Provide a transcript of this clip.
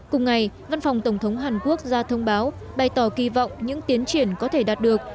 cùng ngày văn phòng tổng thống hàn quốc ra thông báo bày tỏ kỳ vọng những tiến triển có thể đạt được